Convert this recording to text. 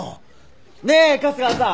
ねえ春日さん！